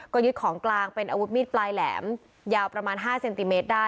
ก็ยึดของกลางเป็นอาวุธมีดปลายแหลมยาวประมาณ๕เซนติเมตรได้